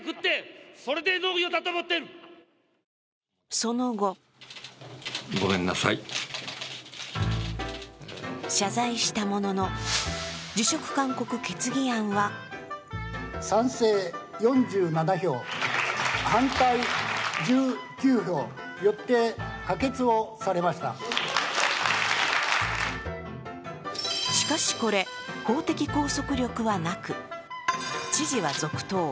その後謝罪したものの辞職勧告決議案はしかし、これ、法的拘束力はなく、知事は続投。